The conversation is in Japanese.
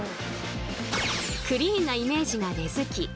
クリーンなイメージが根づき